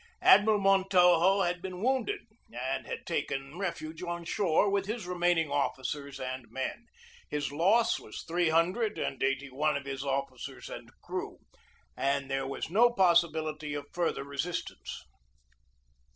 Admiral Montojo had been wounded, and had taken refuge on shore with his remaining officers and men; his loss was three hundred and eighty one of his officers and crew, and there was no pos sibility of further resistance.